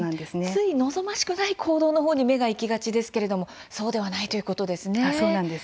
つい望ましくない行動の方に目がいきがちですけれどもそうではないということですね。